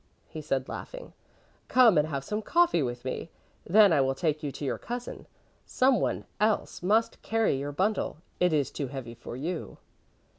he said laughing. "Come and have some coffee with me. Then I will take you to your cousin. Some one else must carry your bundle. It is too heavy for you."